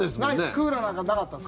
クーラーなんかなかったです。